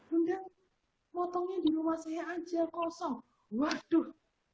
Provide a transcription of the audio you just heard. enggak potongnya di rumah saya aja kosong waduh